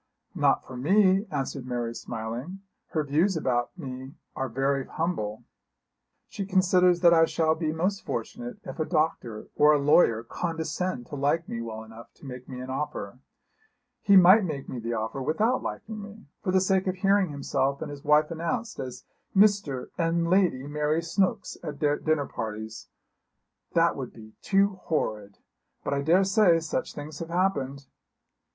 'Not for me,' answered Mary smiling. 'Her views about me are very humble. She considers that I shall be most fortunate if a doctor or a lawyer condescend to like me well enough to make me an offer. He might make me the offer without liking me, for the sake of hearing himself and his wife announced as Mr. and Lady Mary Snooks at dinner parties. That would be too horrid! But I daresay such things have happened.'